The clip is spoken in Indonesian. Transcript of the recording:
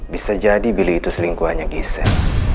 bisa jadi billy itu selingkuhannya giset